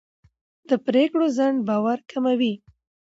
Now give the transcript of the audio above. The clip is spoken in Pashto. د پرېکړو ځنډ باور کموي